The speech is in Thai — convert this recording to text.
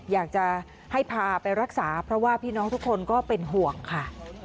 อยากจะให้พาไปรักษาเพราะว่าพี่น้องทุกคนก็เป็นห่วงค่ะ